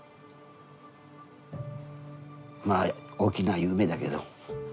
まあ大きな夢だけど。